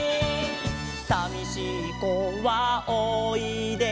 「さみしい子はおいで」